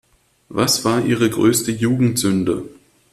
Was war Ihre größte Jugendsünde?